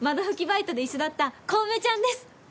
バイトで一緒だった小梅ちゃんです！